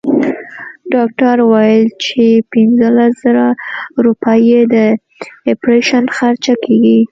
ډاکټر وويل چې پنځلس زره روپۍ يې د اپرېشن خرچه کيږي.